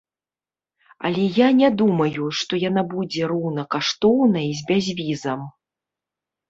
Але я не думаю, што яна будзе роўнакаштоўнай з безвізам.